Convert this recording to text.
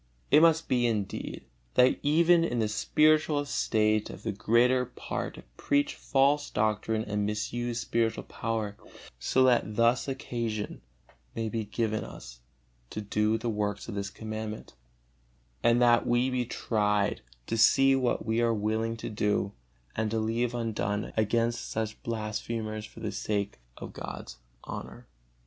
It must be, indeed, that even in the spiritual estate the greater part preach false doctrine and misuse spiritual power, so that thus occasion may be given us to do the works of this Commandment, and that we be tried, to see what we are willing to do and to leave undone against such blasphemers for the sake of God's honor.